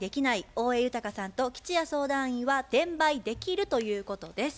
大江裕さんと吉弥相談員は「転売できる」ということです。